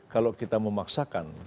kalau kita memaksakan